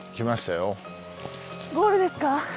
ゴールですか？